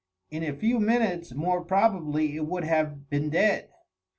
In a few minutes more probably it would have been dead.